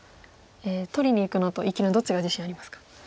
取りにいくのと生きるのどっちが自信がありますか？